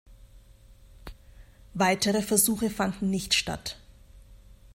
Weitere Versuche fanden nicht statt.